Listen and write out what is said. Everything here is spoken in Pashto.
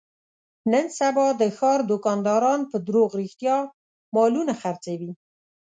نن سبا د ښاردوکانداران په دروغ رښتیا مالونه خرڅوي.